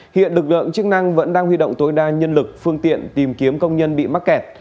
hiện lực lượng chức năng vẫn đang huy động tối đa nhân lực phương tiện tìm kiếm công nhân bị mắc kẹt